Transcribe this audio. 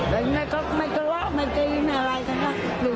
แต่ยังไงก็ไม่เคยรักไม่เคยยินอะไรค่ะอยู่ดีอ่ะ